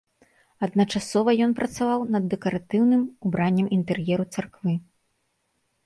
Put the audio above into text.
Адначасова ён працаваў над дэкаратыўным убраннем інтэр'еру царквы.